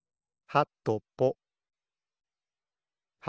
はとぽ。